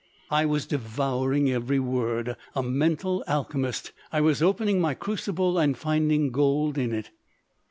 I was devouring every word; a mental alchemist, I was opening my crucible and finding gold in it.